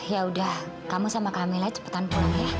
ya udah kamu sama kamila cepetan pulang ya